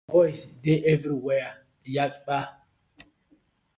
Our boyz dey everywhere yakpa.